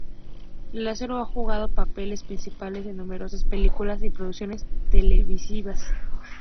Lazarov ha jugado papeles principales en numerosas películas y producciones televisivas.